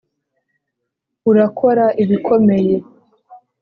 urakora ibikomeye.